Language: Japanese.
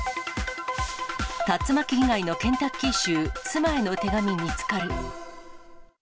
竜巻被害のケンタッキー州、妻への手紙見つかる。